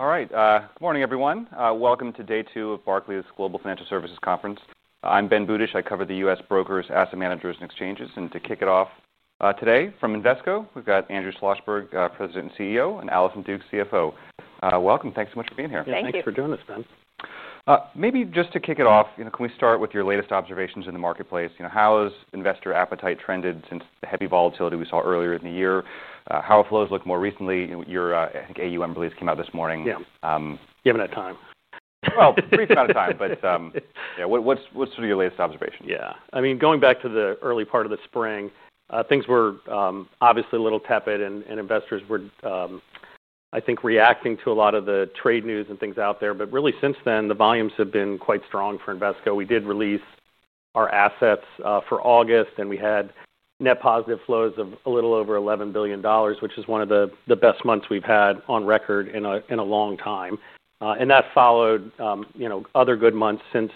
All right. Good morning, everyone. Welcome to Day 2 of Barclays Global Financial Services Conference. I'm Ben Budish. I cover the U.S. brokers, asset managers, and exchanges. To kick it off today from Invesco, we've got Andrew Schlossberg, President and CEO, and Allison Dukes, CFO. Welcome. Thanks so much for being here. Thanks for joining us, Ben. Maybe just to kick it off, can we start with your latest observations in the marketplace? How has investor appetite trended since the heavy volatility we saw earlier in the year? How have flows looked more recently? Your AUM release came out this morning. Yeah, you haven't had time. a brief amount of time, what's sort of your latest observation? Yeah. I mean, going back to the early part of the spring, things were obviously a little tepid and investors were, I think, reacting to a lot of the trade news and things out there. Really, since then, the volumes have been quite strong for Invesco. We did release our assets for August, and we had net positive flows of a little over $11 billion, which is one of the best months we've had on record in a long time. That followed other good months since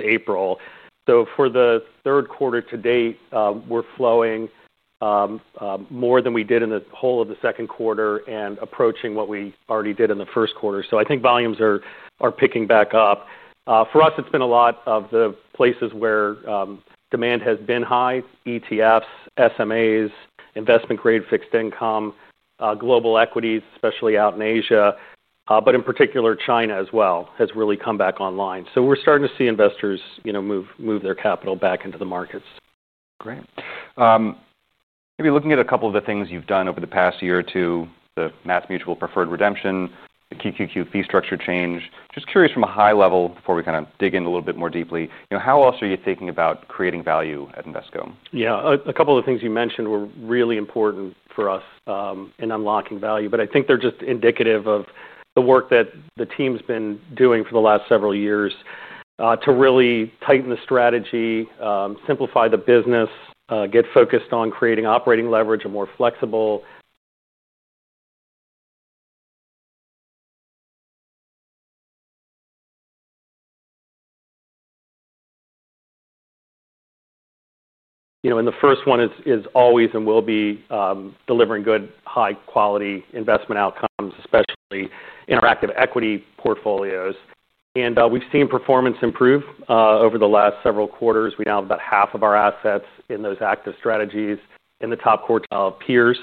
April. For the third quarter to date, we're flowing more than we did in the whole of the second quarter and approaching what we already did in the first quarter. I think volumes are picking back up. For us, it's been a lot of the places where demand has been high: ETFs, separately managed accounts (SMAs), investment-grade fixed income, global equities, especially out in Asia, but in particular, China as well has really come back online. We're starting to see investors move their capital back into the markets. Great. Maybe looking at a couple of the things you've done over the past year or two, the MassMutual preferred redemption, the QQQ fee structure change, just curious from a high level before we kind of dig in a little bit more deeply, how else are you thinking about creating value at Invesco? Yeah. A couple of the things you mentioned were really important for us in unlocking value, but I think they're just indicative of the work that the team's been doing for the last several years to really tighten the strategy, simplify the business, get focused on creating operating leverage and more flexible. The first one is always and will be delivering good, high-quality investment outcomes, especially in our active equity portfolios. We've seen performance improve over the last several quarters. We now have about half of our assets in those active strategies in the top quartile peers,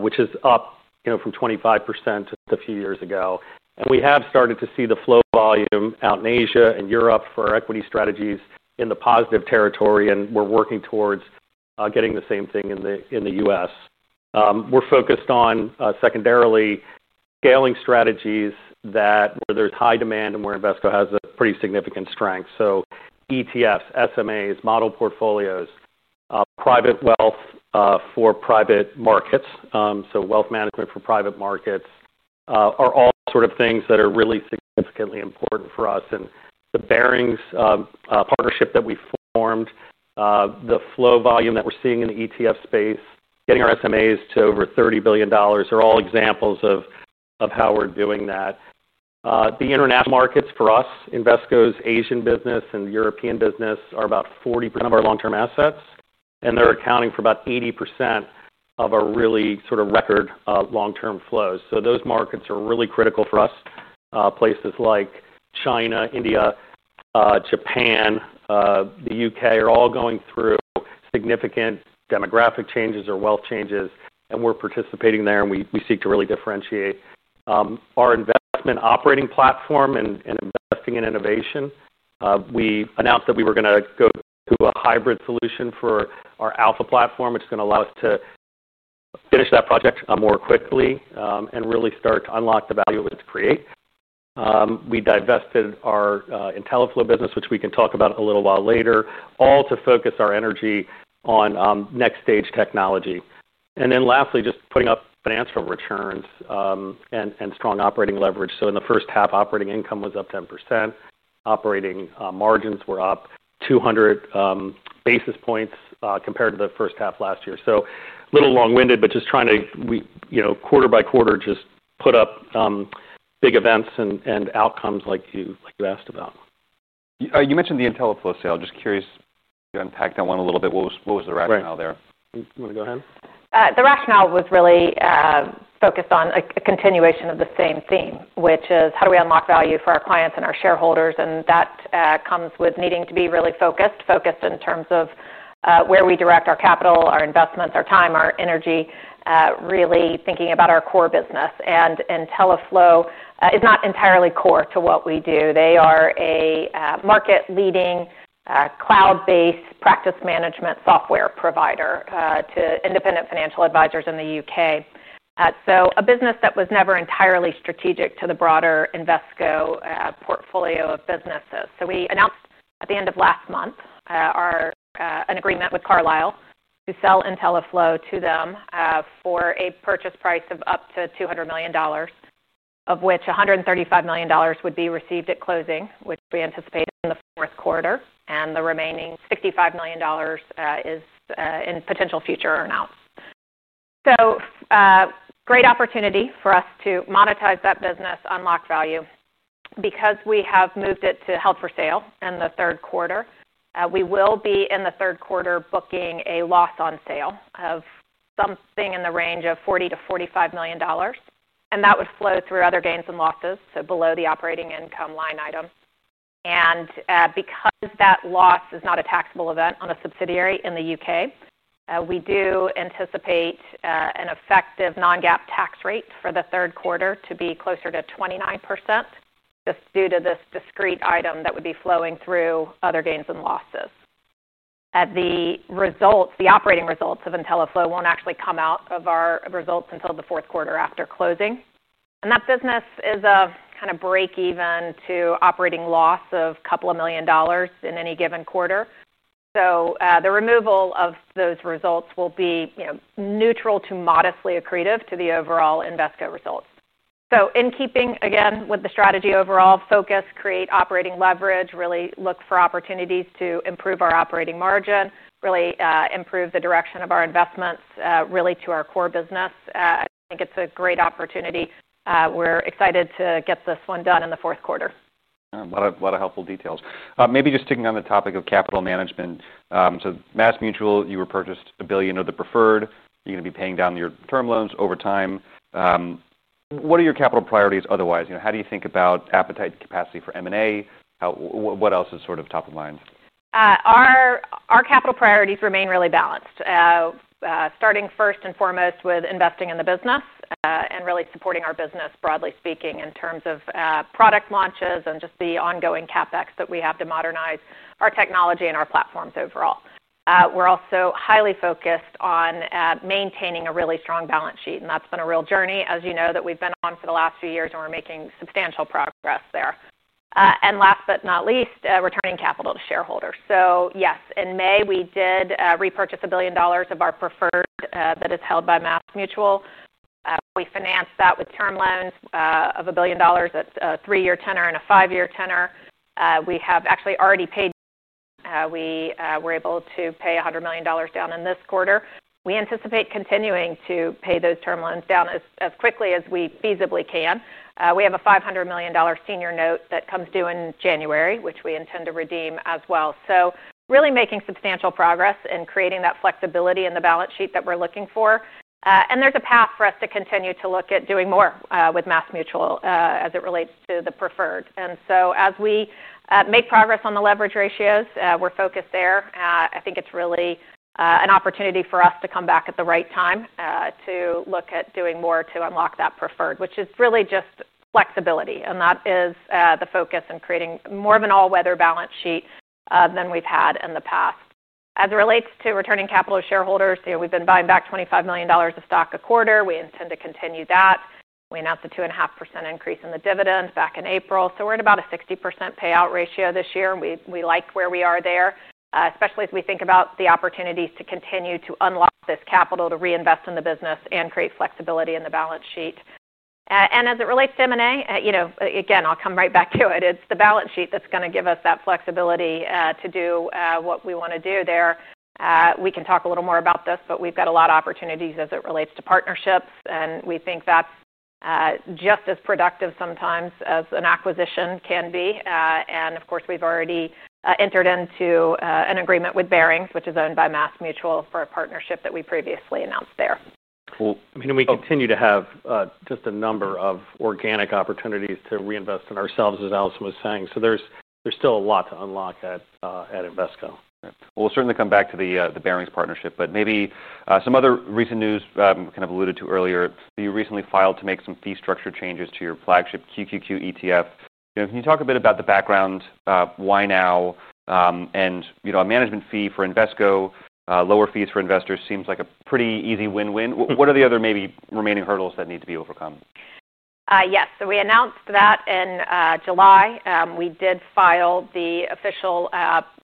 which is up from 25% just a few years ago. We have started to see the flow volume out in Asia and Europe for equity strategies in the positive territory, and we're working towards getting the same thing in the U.S. We're focused on secondarily scaling strategies where there's high demand and where Invesco has a pretty significant strength. ETFs, separately managed accounts (SMAs), model portfolios, private wealth for private markets, so wealth management for private markets, are all sort of things that are really significantly important for us. The Barings partnership that we formed, the flow volume that we're seeing in the ETF space, getting our SMAs to over $30 billion are all examples of how we're doing that. The international markets for us, Invesco's Asian business and European business are about 40% of our long-term assets, and they're accounting for about 80% of our really sort of record long-term flows. Those markets are really critical for us. Places like China, India, Japan, the UK are all going through significant demographic changes or wealth changes, and we're participating there, and we seek to really differentiate. Our investment operating platform and investing in innovation, we announced that we were going to go to a hybrid solution for our alpha platform, which is going to allow us to finish that project more quickly and really start to unlock the value of it to create. We divested our IntelliFlow business, which we can talk about a little while later, all to focus our energy on next-stage technology. Lastly, just putting up financial returns and strong operating leverage. In the first half, operating income was up 10%, operating margins were up 200 basis points compared to the first half last year. A little long-winded, but just trying to quarter by quarter just put up big events and outcomes like you asked about. You mentioned the IntelliFlow sale. Just curious if you could unpack that one a little bit. What was the rationale there? You want to go ahead? The rationale was really focused on a continuation of the same theme, which is how do we unlock value for our clients and our shareholders? That comes with needing to be really focused, focused in terms of where we direct our capital, our investments, our time, our energy, really thinking about our core business. IntelliFlow is not entirely core to what we do. They are a market-leading cloud-based practice management software provider to independent financial advisors in the UK, a business that was never entirely strategic to the broader Invesco portfolio of businesses. We announced at the end of last month an agreement with Carlyle to sell IntelliFlow to them for a purchase price of up to $200 million, of which $135 million would be received at closing, which we anticipate in the fourth quarter. The remaining $65 million is in potential future earnouts. Great opportunity for us to monetize that business, unlock value. Because we have moved it to held for sale in the third quarter, we will be in the third quarter booking a loss on sale of something in the range of $40 to $45 million. That would flow through other gains and losses, below the operating income line items. Because that loss is not a taxable event on a subsidiary in the UK, we do anticipate an effective non-GAAP tax rate for the third quarter to be closer to 29% just due to this discrete item that would be flowing through other gains and losses. The operating results of IntelliFlow won't actually come out of our results until the fourth quarter after closing. That business is a kind of break-even to operating loss of a couple of million dollars in any given quarter. The removal of those results will be neutral to modestly accretive to the overall Invesco results. In keeping, again, with the strategy overall, focus, create operating leverage, really look for opportunities to improve our operating margin, really improve the direction of our investments really to our core business. I think it's a great opportunity. We're excited to get this one done in the fourth quarter. A lot of helpful details. Maybe just sticking on the topic of capital management. MassMutual, you repurchased $1 billion of the preferred. You're going to be paying down your term loans over time. What are your capital priorities otherwise? How do you think about appetite and capacity for M&A? What else is sort of top of mind? Our capital priorities remain really balanced, starting first and foremost with investing in the business and really supporting our business, broadly speaking, in terms of product launches and just the ongoing CapEx that we have to modernize our technology and our platforms overall. We're also highly focused on maintaining a really strong balance sheet. That's been a real journey, as you know, that we've been on for the last few years, and we're making substantial progress there. Last but not least, returning capital to shareholders. Yes, in May, we did repurchase $1 billion of our preferred that is held by MassMutual. We financed that with term loans of $1 billion. That's a three-year tenor and a five-year tenor. We have actually already paid. We were able to pay $100 million down in this quarter. We anticipate continuing to pay those term loans down as quickly as we feasibly can. We have a $500 million senior note that comes due in January, which we intend to redeem as well. We're really making substantial progress in creating that flexibility in the balance sheet that we're looking for. There's a path for us to continue to look at doing more with MassMutual as it relates to the preferred. As we make progress on the leverage ratios, we're focused there. I think it's really an opportunity for us to come back at the right time to look at doing more to unlock that preferred, which is really just flexibility. That is the focus in creating more of an all-weather balance sheet than we've had in the past. As it relates to returning capital to shareholders, we've been buying back $25 million of stock a quarter. We intend to continue that. We announced a 2.5% increase in the dividend back in April. We're at about a 60% payout ratio this year. We like where we are there, especially as we think about the opportunities to continue to unlock this capital to reinvest in the business and create flexibility in the balance sheet. As it relates to M&A, I'll come right back to it. It's the balance sheet that's going to give us that flexibility to do what we want to do there. We can talk a little more about this, but we've got a lot of opportunities as it relates to partnerships. We think that's just as productive sometimes as an acquisition can be. Of course, we've already entered into an agreement with Barings, which is owned by MassMutual, for a partnership that we previously announced there. We continue to have just a number of organic opportunities to reinvest in ourselves, as Allison was saying. There's still a lot to unlock at Invesco. Right. We'll certainly come back to the Barings partnership, but maybe some other recent news kind of alluded to earlier. You recently filed to make some fee structure changes to your flagship Invesco QQQ ETF. Can you talk a bit about the background, why now? A management fee for Invesco, lower fees for investors seems like a pretty easy win-win. What are the other maybe remaining hurdles that need to be overcome? Yes. We announced that in July. We did file the official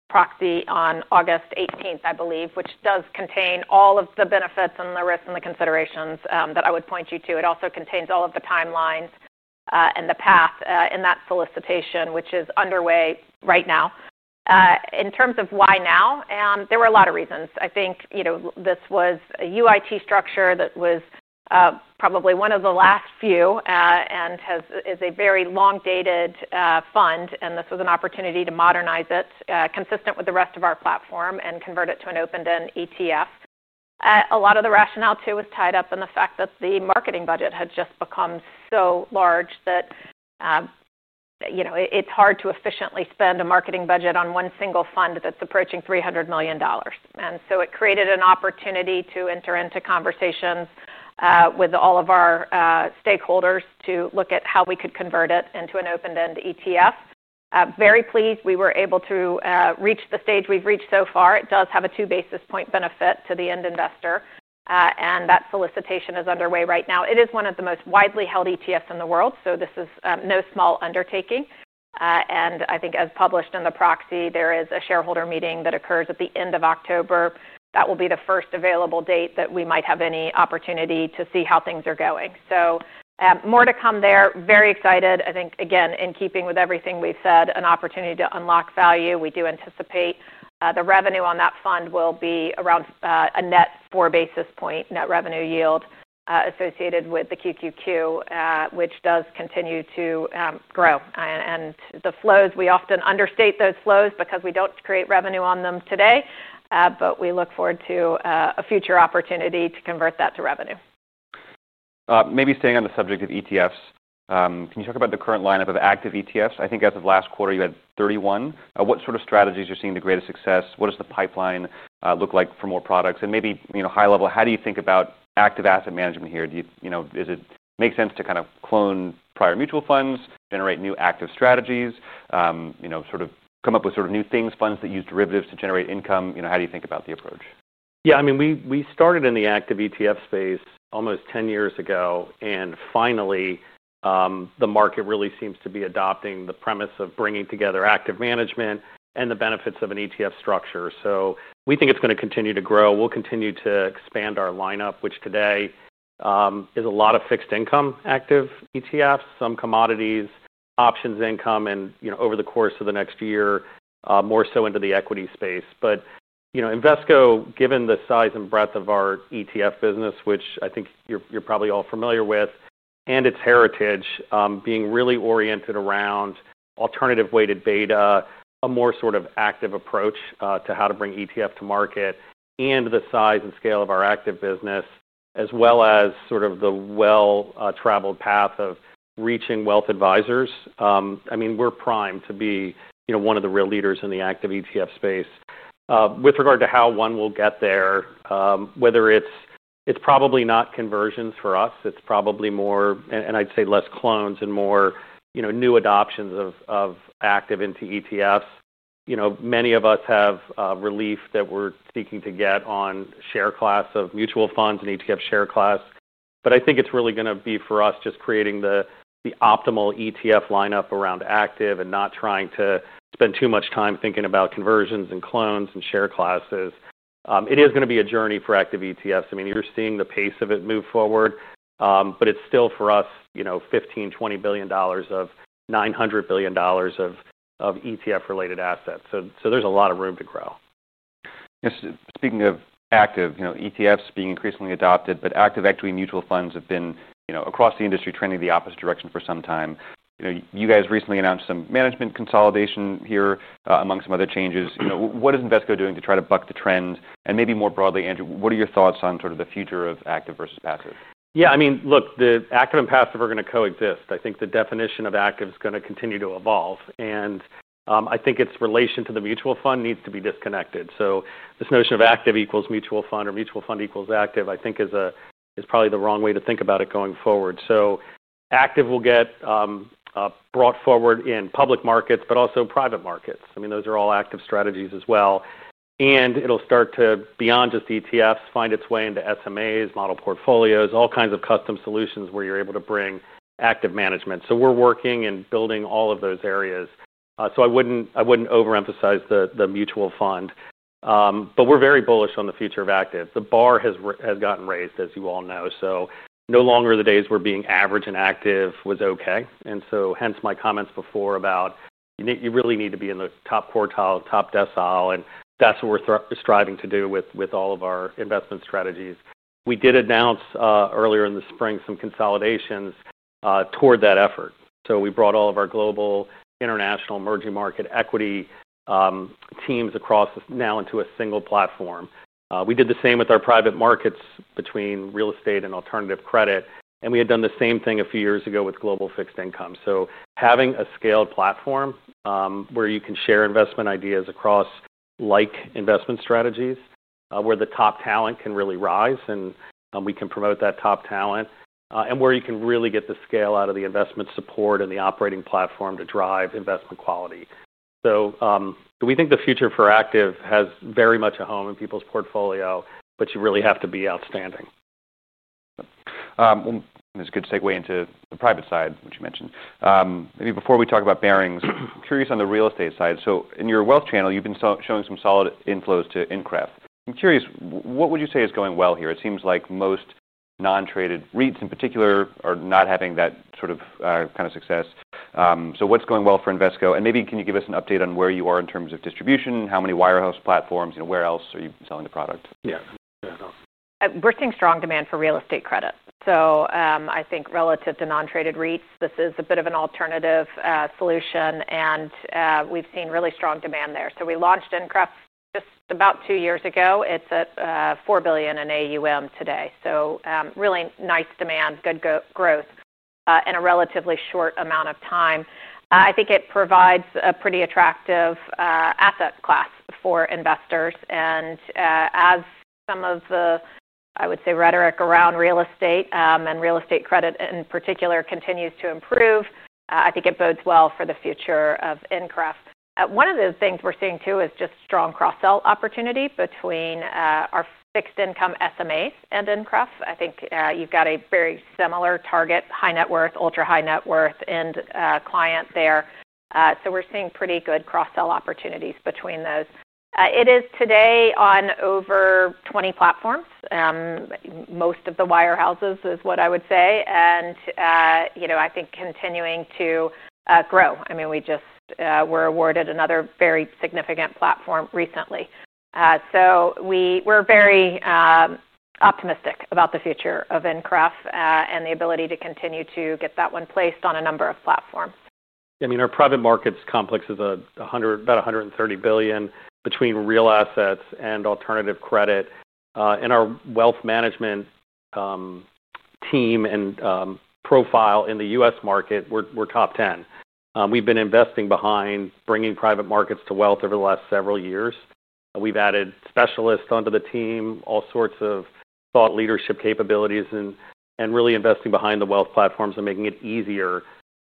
proxy on August 18, I believe, which does contain all of the benefits and the risks and the considerations that I would point you to. It also contains all of the timelines and the path in that solicitation, which is underway right now. In terms of why now, there were a lot of reasons. I think this was a UIT structure that was probably one of the last few and is a very long-dated fund. This was an opportunity to modernize it consistent with the rest of our platform and convert it to an open-end ETF. A lot of the rationale, too, was tied up in the fact that the marketing budget had just become so large that it's hard to efficiently spend a marketing budget on one single fund that's approaching $300 million. It created an opportunity to enter into conversations with all of our stakeholders to look at how we could convert it into an open-end ETF. Very pleased, we were able to reach the stage we've reached so far. It does have a two-basis point benefit to the end investor. That solicitation is underway right now. It is one of the most widely held ETFs in the world, so this is no small undertaking. I think as published in the proxy, there is a shareholder meeting that occurs at the end of October. That will be the first available date that we might have any opportunity to see how things are going. More to come there. Very excited. I think, again, in keeping with everything we've said, an opportunity to unlock value. We do anticipate the revenue on that fund will be around a net four-basis point net revenue yield associated with the Invesco QQQ, which does continue to grow. The flows, we often understate those flows because we don't create revenue on them today, but we look forward to a future opportunity to convert that to revenue. Maybe staying on the subject of ETFs, can you talk about the current lineup of active ETFs? I think as of last quarter, you had 31. What sort of strategies are seeing the greatest success? What does the pipeline look like for more products? High level, how do you think about active asset management here? Does it make sense to kind of clone prior mutual funds, generate new active strategies, come up with new things, funds that use derivatives to generate income? How do you think about the approach? Yeah. I mean, we started in the active ETF space almost 10 years ago. Finally, the market really seems to be adopting the premise of bringing together active management and the benefits of an ETF structure. We think it's going to continue to grow. We'll continue to expand our lineup, which today is a lot of fixed income active ETFs, some commodities, options income, and over the course of the next year, more so into the equity space. Invesco, given the size and breadth of our ETF business, which I think you're probably all familiar with, and its heritage being really oriented around alternative weighted beta, a more sort of active approach to how to bring ETF to market, and the size and scale of our active business, as well as sort of the well-traveled path of reaching wealth advisors, I mean, we're primed to be one of the real leaders in the active ETF space. With regard to how one will get there, whether it's probably not conversions for us, it's probably more, and I'd say less clones and more new adoptions of active into ETFs. Many of us have relief that we're seeking to get on share class of mutual funds and ETF share class. I think it's really going to be for us just creating the optimal ETF lineup around active and not trying to spend too much time thinking about conversions and clones and share classes. It is going to be a journey for active ETFs. You're seeing the pace of it move forward, but it's still for us $15 billion, $20 billion of $900 billion of ETF-related assets. There's a lot of room to grow. Yes. Speaking of active, ETFs being increasingly adopted, but active equity mutual funds have been across the industry trending the opposite direction for some time. You guys recently announced some management consolidation here among some other changes. What is Invesco doing to try to buck the trend? Maybe more broadly, Andrew, what are your thoughts on sort of the future of active versus passive? Yeah. I mean, look, the active and passive are going to coexist. I think the definition of active is going to continue to evolve. I think its relation to the mutual fund needs to be disconnected. This notion of active equals mutual fund or mutual fund equals active, I think, is probably the wrong way to think about it going forward. Active will get brought forward in public markets, but also private markets. Those are all active strategies as well. It'll start to, beyond just ETFs, find its way into separately managed accounts (SMAs), model portfolios, all kinds of custom solutions where you're able to bring active management. We're working and building all of those areas. I wouldn't overemphasize the mutual fund. We're very bullish on the future of active. The bar has gotten raised, as you all know. No longer are the days where being average and active was OK. Hence my comments before about you really need to be in those top quartile, top decile. That's what we're striving to do with all of our investment strategies. We did announce earlier in the spring some consolidations toward that effort. We brought all of our global, international, emerging market equity teams across now into a single platform. We did the same with our private markets between real estate and alternative credit. We had done the same thing a few years ago with global fixed income. Having a scaled platform where you can share investment ideas across like investment strategies, where the top talent can really rise and we can promote that top talent, and where you can really get the scale out of the investment support and the operating platform to drive investment quality. We think the future for active has very much a home in people's portfolio, but you really have to be outstanding. That's a good segue into the private side, which you mentioned. Maybe before we talk about Barings, I'm curious on the real estate side. In your wealth channel, you've been showing some solid inflows to Increv. I'm curious, what would you say is going well here? It seems like most non-traded REITs in particular are not having that sort of kind of success. What's going well for Invesco? Maybe can you give us an update on where you are in terms of distribution, how many warehouse platforms, where else are you selling the product? Yeah. We're seeing strong demand for real estate credit. I think relative to non-traded REITs, this is a bit of an alternative solution, and we've seen really strong demand there. We launched Increv just about two years ago. It's at $4 billion in AUM today, so really nice demand, good growth in a relatively short amount of time. I think it provides a pretty attractive asset class for investors. As some of the, I would say, rhetoric around real estate and real estate credit in particular continues to improve, I think it bodes well for the future of Increv. One of the things we're seeing, too, is just strong cross-sell opportunity between our fixed income separately managed accounts (SMAs) and Increv. I think you've got a very similar target, high net worth, ultra high net worth, end clients there, so we're seeing pretty good cross-sell opportunities between those. It is today on over 20 platforms, most of the warehouses is what I would say, and I think continuing to grow. We just were awarded another very significant platform recently. We're very optimistic about the future of Increv and the ability to continue to get that one placed on a number of platforms. Yeah. I mean, our private markets complex is about $130 billion between real assets and alternative credit. Our wealth management team and profile in the U.S. market, we're top 10. We've been investing behind bringing private markets to wealth over the last several years. We've added specialists onto the team, all sorts of thought leadership capabilities, and really investing behind the wealth platforms and making it easier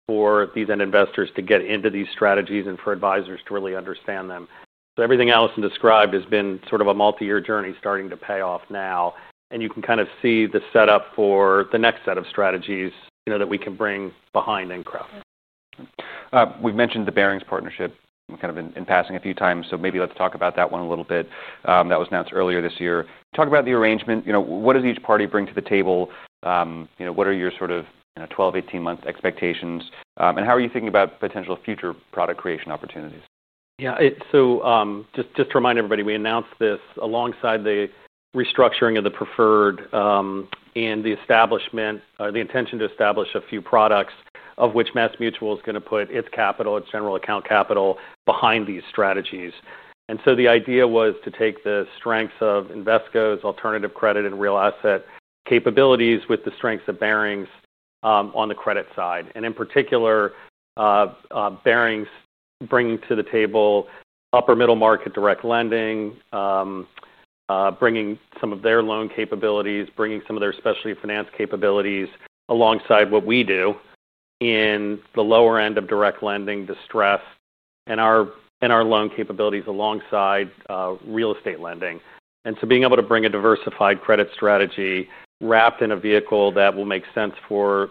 for these end investors to get into these strategies and for advisors to really understand them. Everything Allison described has been sort of a multi-year journey starting to pay off now. You can kind of see the setup for the next set of strategies that we can bring behind Increv. We've mentioned the Barings partnership in passing a few times. Maybe let's talk about that one a little bit. That was announced earlier this year. Talk about the arrangement. What does each party bring to the table? What are your sort of 12, 18-month expectations? How are you thinking about potential future product creation opportunities? Yeah. Just to remind everybody, we announced this alongside the restructuring of the preferred and the intention to establish a few products of which MassMutual is going to put its capital, its general account capital behind these strategies. The idea was to take the strengths of Invesco's alternative credit and real asset capabilities with the strengths of Barings on the credit side. In particular, Barings bringing to the table upper middle market direct lending, bringing some of their loan capabilities, bringing some of their specialty finance capabilities alongside what we do in the lower end of direct lending distress and our loan capabilities alongside real estate lending. Being able to bring a diversified credit strategy wrapped in a vehicle that will make sense for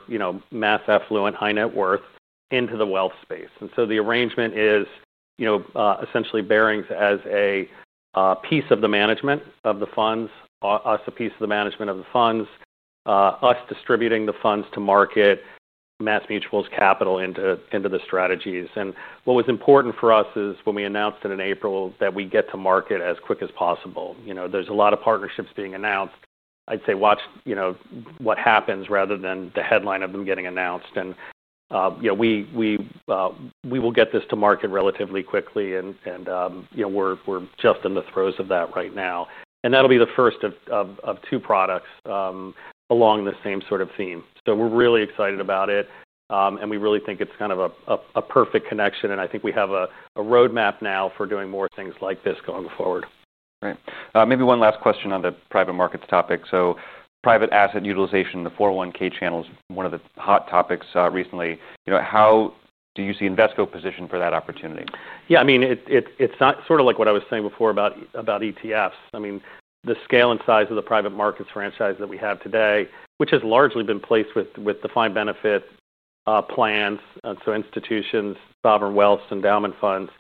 mass affluent, high net worth into the wealth space. The arrangement is essentially Barings as a piece of the management of the funds, us a piece of the management of the funds, us distributing the funds to market MassMutual's capital into the strategies. What was important for us is when we announced it in April that we get to market as quick as possible. There are a lot of partnerships being announced. I'd say watch what happens rather than the headline of them getting announced. We will get this to market relatively quickly. We're just in the throes of that right now. That'll be the first of two products along the same sort of theme. We're really excited about it. We really think it's kind of a perfect connection. I think we have a roadmap now for doing more things like this going forward. Right. Maybe one last question on the private markets topic. Private asset utilization in the 401(k) channel is one of the hot topics recently. How do you see Invesco positioned for that opportunity? Yeah. I mean, it's sort of like what I was saying before about ETFs. The scale and size of the private markets franchise that we have today, which has largely been placed with defined benefit plans, so institutions, sovereign wealth, endowment funds.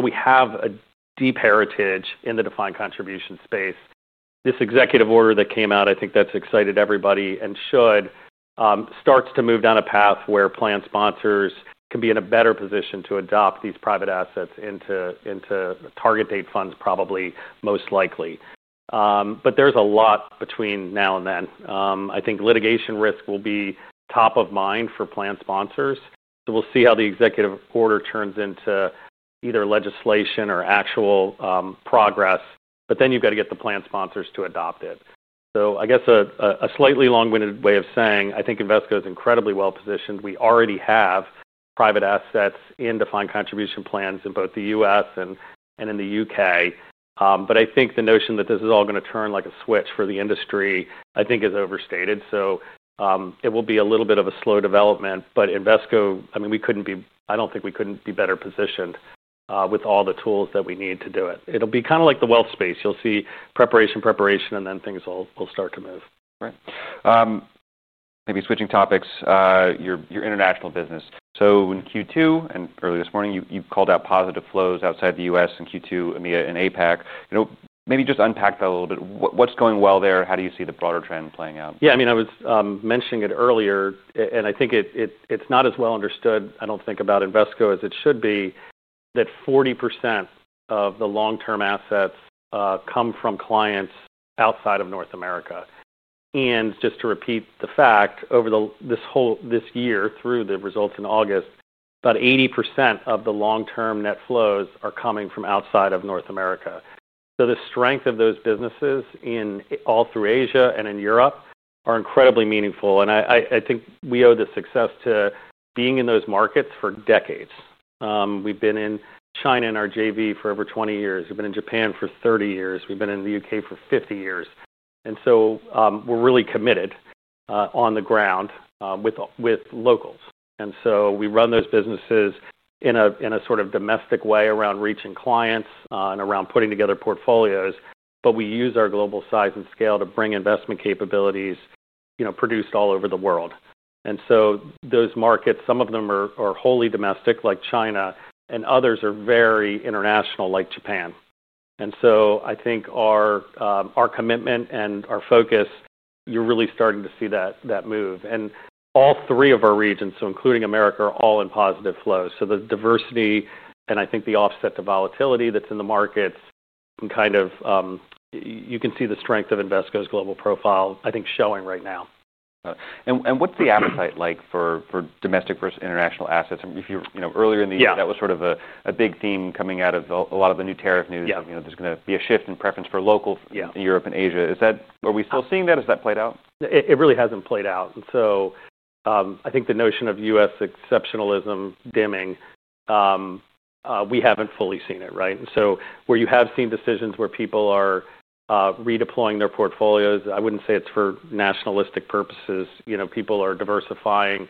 We have a deep heritage in the defined contribution space. This executive order that came out, I think that's excited everybody and should, starts to move down a path where plan sponsors can be in a better position to adopt these private assets into target date funds, probably most likely. There's a lot between now and then. I think litigation risk will be top of mind for plan sponsors. We'll see how the executive order turns into either legislation or actual progress. You've got to get the plan sponsors to adopt it. I guess a slightly long-winded way of saying I think Invesco is incredibly well positioned. We already have private assets in defined contribution plans in both the U.S. and in the UK. I think the notion that this is all going to turn like a switch for the industry, I think, is overstated. It will be a little bit of a slow development. Invesco, I mean, we couldn't be, I don't think we couldn't be better positioned with all the tools that we need to do it. It'll be kind of like the wealth space. You'll see preparation, preparation, and then things will start to move. Right. Maybe switching topics, your international business. In Q2 and earlier this morning, you called out positive flows outside the U.S. in Q2, EMEA, and APAC. Maybe just unpack that a little bit. What's going well there? How do you see the broader trend playing out? Yeah. I mean, I was mentioning it earlier. I think it's not as well understood, I don't think, about Invesco as it should be, that 40% of the long-term assets come from clients outside of North America. Just to repeat the fact, over this whole year, through the results in August, about 80% of the long-term net flows are coming from outside of North America. The strength of those businesses all through Asia and in Europe are incredibly meaningful. I think we owe the success to being in those markets for decades. We've been in China in our JV for over 20 years. We've been in Japan for 30 years. We've been in the UK for 50 years. We're really committed on the ground with locals. We run those businesses in a sort of domestic way around reaching clients and around putting together portfolios, but we use our global size and scale to bring investment capabilities produced all over the world. Those markets, some of them are wholly domestic, like China, and others are very international, like Japan. I think our commitment and our focus, you're really starting to see that move. All three of our regions, including America, are all in positive flows. The diversity and the offset to volatility that's in the markets, you can see the strength of Invesco's global profile, I think, showing right now. What is the appetite like for domestic versus international assets? Earlier in the year, that was a big theme coming out of a lot of the new tariff news. There is going to be a shift in preference for local in Europe and Asia. Are we still seeing that? Has that played out? It really hasn't played out. I think the notion of U.S. exceptionalism dimming, we haven't fully seen it, right? Where you have seen decisions where people are redeploying their portfolios, I wouldn't say it's for nationalistic purposes. People are diversifying,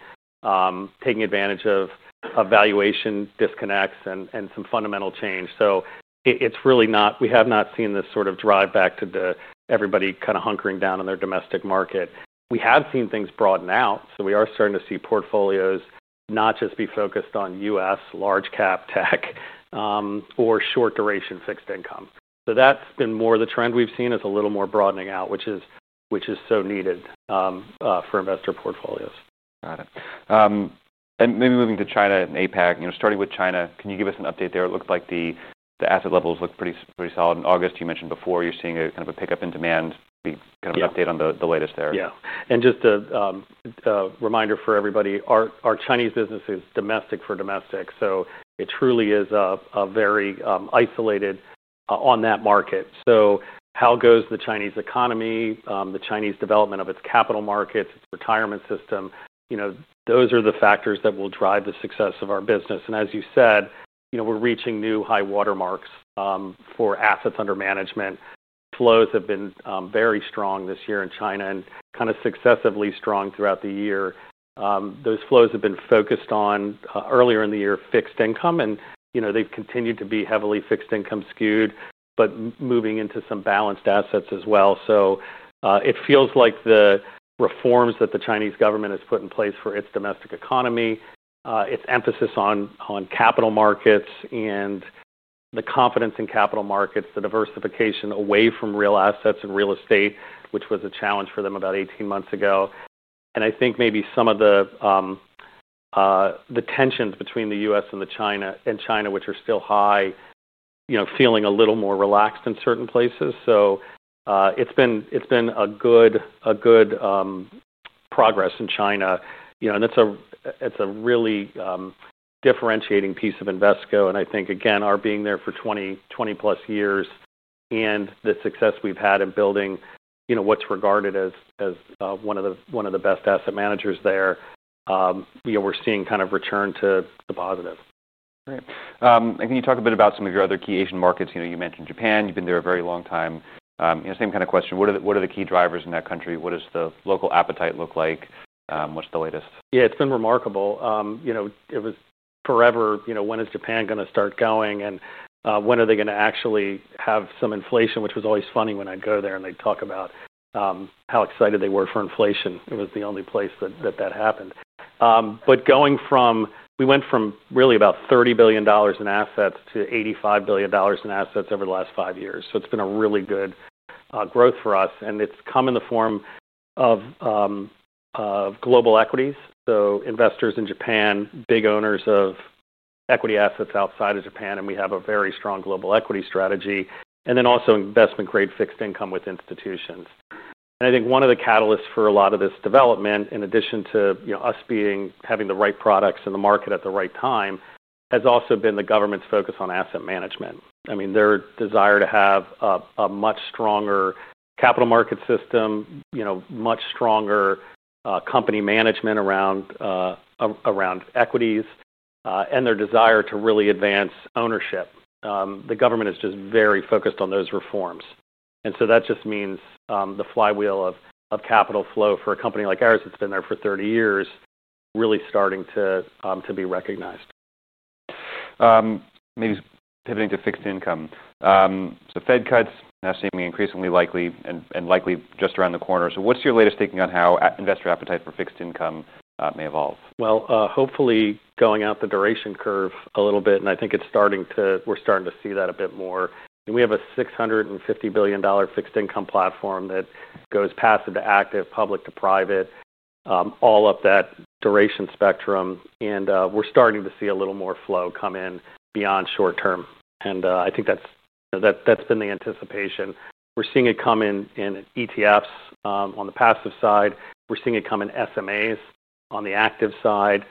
taking advantage of valuation disconnects and some fundamental change. It's really not, we have not seen this sort of drive back to everybody kind of hunkering down in their domestic market. We have seen things broaden out. We are starting to see portfolios not just be focused on U.S. large-cap tech or short-duration fixed income. That's been more of the trend we've seen, a little more broadening out, which is so needed for investor portfolios. Got it. Maybe moving to China and APAC, starting with China, can you give us an update there? It looked like the asset levels looked pretty solid in August. You mentioned before you're seeing a kind of a pickup in demand. Maybe kind of an update on the latest there. Yeah. Just a reminder for everybody, our Chinese business is domestic for domestic. It truly is very isolated on that market. How goes the Chinese economy, the Chinese development of its capital markets, its retirement system? Those are the factors that will drive the success of our business. As you said, we're reaching new high watermarks for assets under management. Flows have been very strong this year in China and successively strong throughout the year. Those flows have been focused on, earlier in the year, fixed income. They've continued to be heavily fixed income skewed, but moving into some balanced assets as well. It feels like the reforms that the Chinese government has put in place for its domestic economy, its emphasis on capital markets, and the confidence in capital markets, the diversification away from real assets and real estate, which was a challenge for them about 18 months ago, are having an effect. I think maybe some of the tensions between the U.S. and China, which are still high, are feeling a little more relaxed in certain places. It has been good progress in China. It's a really differentiating piece of Invesco. I think, again, our being there for 20-plus years and the success we've had in building what's regarded as one of the best asset managers there, we're seeing a return to the positive. Right. Can you talk a bit about some of your other key Asian markets? You mentioned Japan. You've been there a very long time. Same kind of question: What are the key drivers in that country? What does the local appetite look like? What's the latest? Yeah. It's been remarkable. It was forever, when is Japan going to start going? When are they going to actually have some inflation, which was always funny when I'd go there and they'd talk about how excited they were for inflation. It was the only place that that happened. We went from really about $30 billion in assets to $85 billion in assets over the last five years. It's been a really good growth for us, and it's come in the form of global equities. Investors in Japan, big owners of equity assets outside of Japan, and we have a very strong global equity strategy. Also, investment-grade fixed income with institutions. I think one of the catalysts for a lot of this development, in addition to us having the right products in the market at the right time, has been the government's focus on asset management. Their desire to have a much stronger capital market system, much stronger company management around equities, and their desire to really advance ownership. The government is just very focused on those reforms. That just means the flywheel of capital flow for a company like ours that's been there for 30 years is really starting to be recognized. Maybe pivoting to fixed income. Fed cuts now seemingly increasingly likely and likely just around the corner. What's your latest taking on how investor appetite for fixed income may evolve? Hopefully, going out the duration curve a little bit, we're starting to see that a bit more. We have a $650 billion fixed income platform that goes passive to active, public to private, all up that duration spectrum. We're starting to see a little more flow come in beyond short term. I think that's been the anticipation. We're seeing it come in ETFs on the passive side, and we're seeing it come in separately managed accounts (SMAs) on the active side.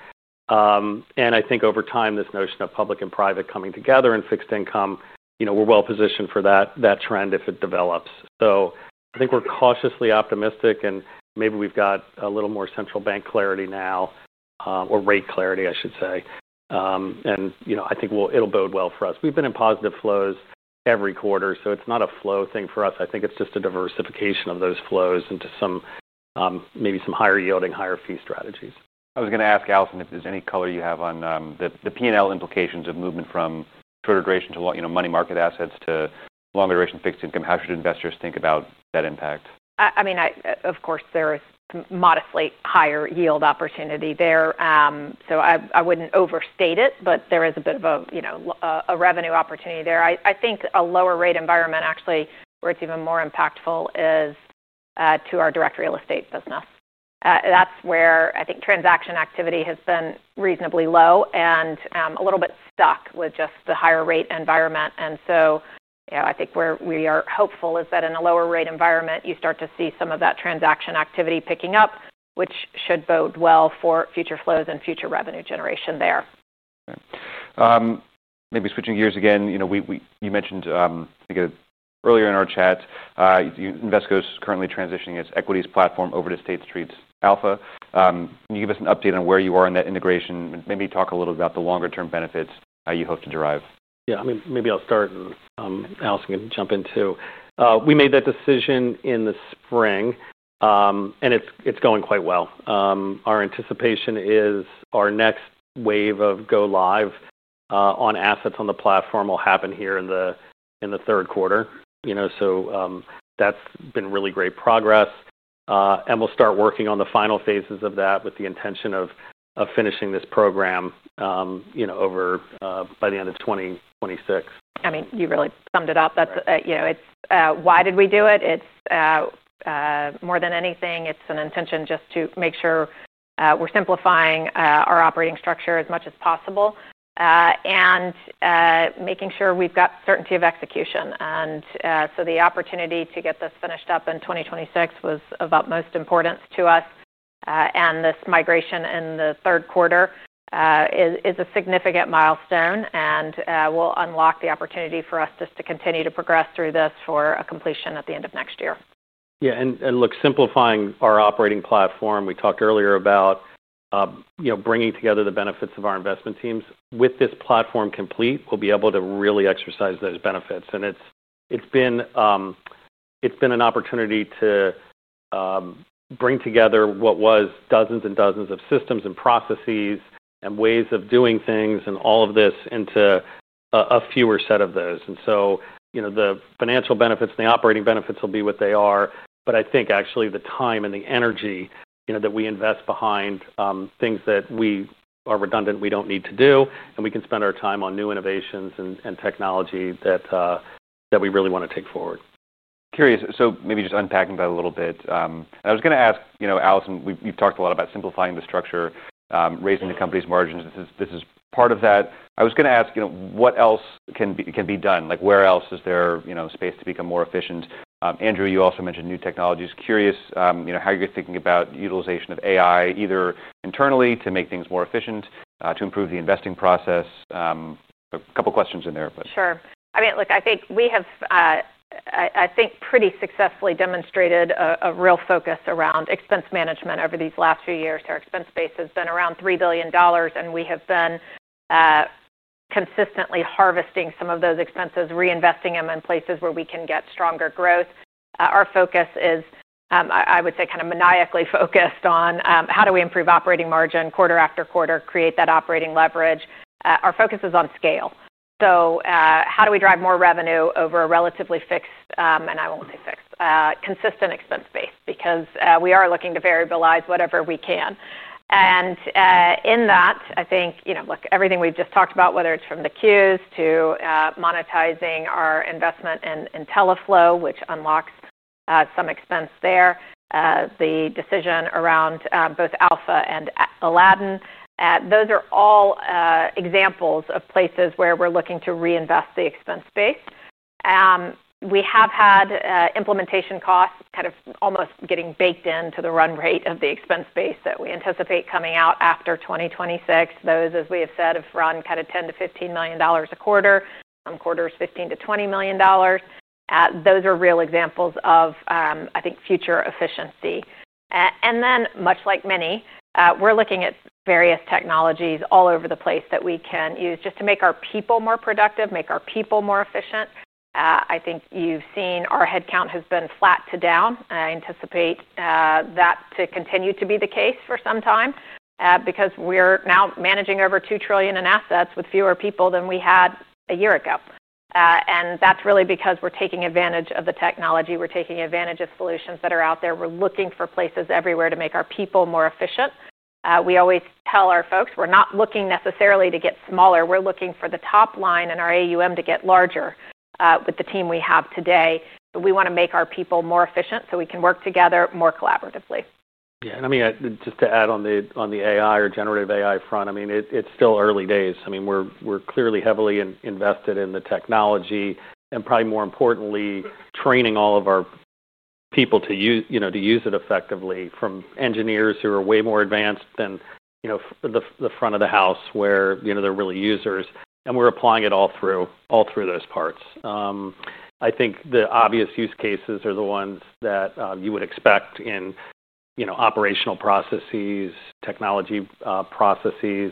Over time, this notion of public and private coming together in fixed income, we're well positioned for that trend if it develops. I think we're cautiously optimistic. Maybe we've got a little more central bank clarity now, or rate clarity, I should say. I think it'll bode well for us. We've been in positive flows every quarter. It's not a flow thing for us. I think it's just a diversification of those flows into maybe some higher yielding, higher fee strategies. I was going to ask Allison if there's any color you have on the P&L implications of movement from shorter duration to money market assets to longer duration fixed income. How should investors think about that impact? I mean, of course, there is modestly higher yield opportunity there. I wouldn't overstate it, but there is a bit of a revenue opportunity there. I think a lower rate environment, actually, where it's even more impactful is to our direct real estate business. That's where I think transaction activity has been reasonably low and a little bit stuck with just the higher rate environment. I think where we are hopeful is that in a lower rate environment, you start to see some of that transaction activity picking up, which should bode well for future flows and future revenue generation there. Right. Maybe switching gears again, you mentioned I think earlier in our chat Invesco is currently transitioning its equities platform over to State Street Alpha. Can you give us an update on where you are in that integration? Maybe talk a little bit about the longer-term benefits you hope to derive. Yeah, maybe I'll start, and Allison can jump in too. We made that decision in the spring, and it's going quite well. Our anticipation is our next wave of go live on assets on the platform will happen here in the third quarter. That's been really great progress, and we'll start working on the final phases of that with the intention of finishing this program by the end of 2026. You really summed it up. Why did we do it? It's more than anything, it's an intention just to make sure we're simplifying our operating structure as much as possible and making sure we've got certainty of execution. The opportunity to get this finished up in 2026 was of utmost importance to us. This migration in the third quarter is a significant milestone and will unlock the opportunity for us just to continue to progress through this for a completion at the end of next year. Yeah. Look, simplifying our operating platform, we talked earlier about bringing together the benefits of our investment teams. With this platform complete, we'll be able to really exercise those benefits. It's been an opportunity to bring together what was dozens and dozens of systems and processes and ways of doing things, all of this into a fewer set of those. The financial benefits and the operating benefits will be what they are. I think actually the time and the energy that we invest behind things that are redundant, we don't need to do. We can spend our time on new innovations and technology that we really want to take forward. Curious, maybe just unpacking that a little bit. I was going to ask, Allison, we've talked a lot about simplifying the structure, raising the company's margins. This is part of that. I was going to ask, what else can be done? Where else is there space to become more efficient? Andrew, you also mentioned new technologies. Curious how you're thinking about utilization of AI, either internally to make things more efficient, to improve the investing process. A couple of questions in there. Sure. I mean, look, I think we have pretty successfully demonstrated a real focus around expense management over these last few years. Our expense base has been around $3 billion, and we have been consistently harvesting some of those expenses, reinvesting them in places where we can get stronger growth. Our focus is, I would say, kind of maniacally focused on how do we improve operating margin quarter after quarter, create that operating leverage. Our focus is on scale. How do we drive more revenue over a relatively fixed, and I won't say fixed, consistent expense base? We are looking to variabilize whatever we can. In that, I think, look, everything we've just talked about, whether it's from the queues to monetizing our investment in IntelliFlow, which unlocks some expense there, the decision around both Alpha and Aladdin, those are all examples of places where we're looking to reinvest the expense base. We have had implementation costs kind of almost getting baked into the run rate of the expense base that we anticipate coming out after 2026. Those, as we have said, have run kind of $10 to $15 million a quarter, some quarters $15 to $20 million. Those are real examples of, I think, future efficiency. Much like many, we're looking at various technologies all over the place that we can use just to make our people more productive, make our people more efficient. I think you've seen our headcount has been flat to down. I anticipate that to continue to be the case for some time because we're now managing over $2 trillion in assets with fewer people than we had a year ago. That's really because we're taking advantage of the technology. We're taking advantage of solutions that are out there. We're looking for places everywhere to make our people more efficient. We always tell our folks, we're not looking necessarily to get smaller. We're looking for the top line in our AUM to get larger with the team we have today. We want to make our people more efficient so we can work together more collaboratively. Yeah. Just to add on the AI or generative AI front, it's still early days. We're clearly heavily invested in the technology and probably more importantly, training all of our people to use it effectively, from engineers who are way more advanced to the front of the house where they're really users. We're applying it all through those parts. I think the obvious use cases are the ones that you would expect in operational processes, technology processes,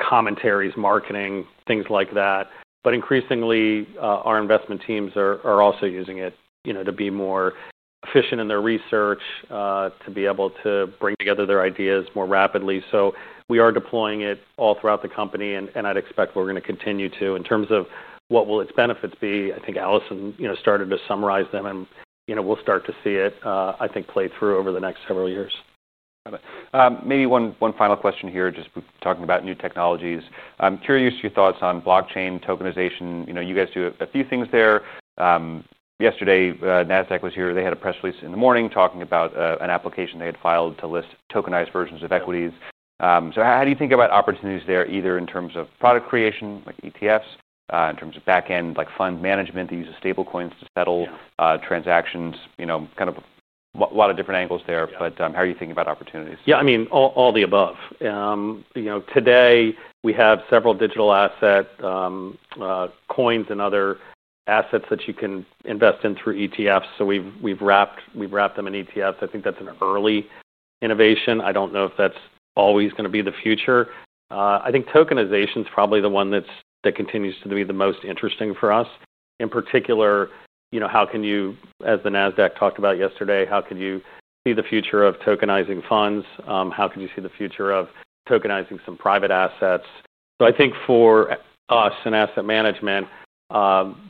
commentaries, marketing, things like that. Increasingly, our investment teams are also using it to be more efficient in their research, to be able to bring together their ideas more rapidly. We are deploying it all throughout the company. I'd expect we're going to continue to in terms of what will its benefits be. I think Allison started to summarize them. We'll start to see it, I think, play through over the next several years. Got it. Maybe one final question here, just talking about new technologies. I'm curious your thoughts on blockchain tokenization. You guys do a few things there. Yesterday, NASDAQ was here. They had a press release in the morning talking about an application they had filed to list tokenized versions of equities. How do you think about opportunities there, either in terms of product creation like ETFs, in terms of backend like fund management that uses stablecoins to settle transactions? There are a lot of different angles there. How are you thinking about opportunities? Yeah, I mean, all the above. Today, we have several digital asset coins and other assets that you can invest in through ETFs. We've wrapped them in ETFs. I think that's an early innovation. I don't know if that's always going to be the future. I think tokenization is probably the one that continues to be the most interesting for us. In particular, how can you, as the NASDAQ talked about yesterday, see the future of tokenizing funds? How could you see the future of tokenizing some private assets? I think for us in asset management,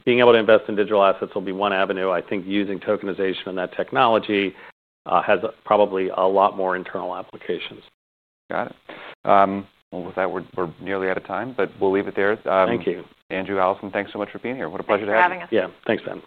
being able to invest in digital assets will be one avenue. I think using tokenization and that technology has probably a lot more internal applications. Got it. With that, we're nearly out of time. We'll leave it there. Thank you. Andrew, Allison, thanks so much for being here. What a pleasure to have you. Thanks for having us. Yeah, thanks, Ben.